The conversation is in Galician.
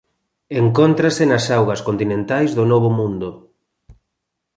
Encóntrase nas augas continentais do Novo Mundo.